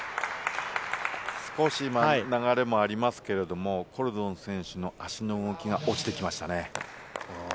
少し流れもありますけど、コルドン選手の足の動きが落ちてきましたね。